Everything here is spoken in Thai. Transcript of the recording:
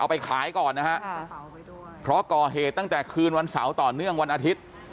ไปขายก่อนนะฮะเพราะก่อเหตุตั้งแต่คืนวันเสาร์ต่อเนื่องวันอาทิตย์